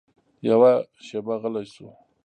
يوه شېبه غلى سو.